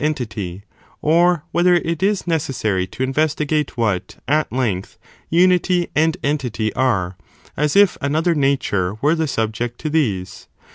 entity ; or whether it is necessary to investigate what, at length, unity and entity are, as if another nature were the subject to these?